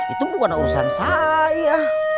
itu bukan urusan saya